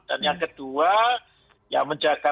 dan yang kedua ya menjaga